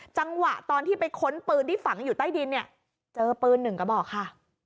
จังหวะตอนที่ไปค้นปืนที่ฝังอยู่ใต้ดินเนี่ยเจอปืนหนึ่งกระบอกค่ะ